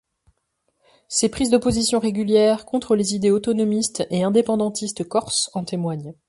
Ses prises de positions régulières contre les idées autonomistes et indépendantistes corses en témoignent.